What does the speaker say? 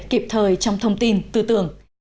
kịp thời trong thông tin tư tưởng